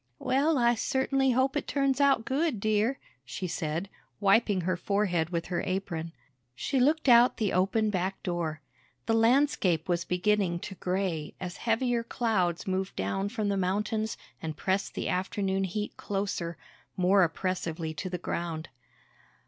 "Well, I certainly hope it turns out good, dear," she said, wiping her forehead with her apron. She looked out the open back door. The landscape was beginning to gray as heavier clouds moved down from the mountains and pressed the afternoon heat closer, more oppressively to the ground.